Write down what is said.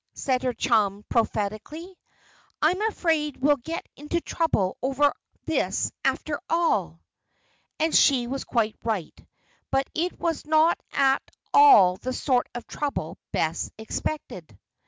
said her chum, prophetically. "I'm afraid we'll get into trouble over this after all." And she was quite right; but it was not at all the sort of trouble Bess expected.